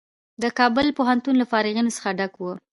د کابل پوهنتون له فارغینو څخه و.